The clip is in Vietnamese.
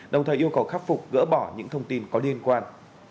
đồng thời yêu cầu khắc phục gỡ bỏ những thông tin có liên quan